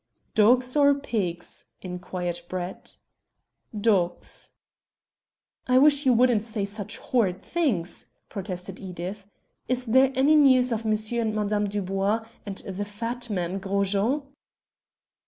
"Dogs, or pigs?" inquired Brett. "Dogs!" "I wish you wouldn't say such horrid things," protested Edith. "Is there any news of Monsieur and Madame Dubois, and the fat man Gros Jean?"